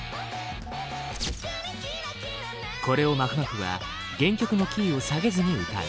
これをまふまふは原曲のキーを下げずに歌う。